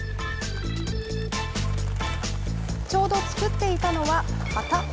ちょうど作っていたのは旗。